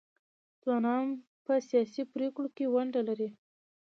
ځوانان په سیاسي پریکړو کې ونډه لري.